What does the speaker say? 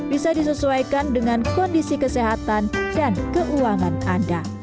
bisa disesuaikan dengan kondisi kesehatan dan keuangan anda